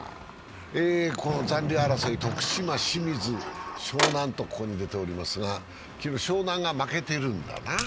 この残留争い、徳島、清水、湘南とありますが昨日、湘南が負けているんだな。